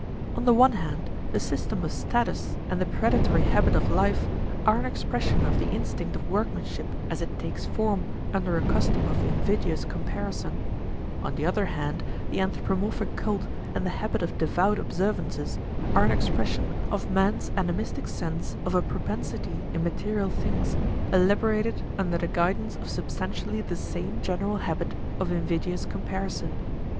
On the one hand, the system of status and the predatory habit of life are an expression of the instinct of workmanship as it takes form under a custom of invidious comparison; on the other hand, the anthropomorphic cult and the habit of devout observances are an expression of men's animistic sense of a propensity in material things, elaborated under the guidance of substantially the same general habit of invidious comparison.